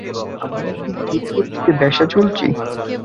আমরা কি ধীরগতিতে ভেসে চলছি?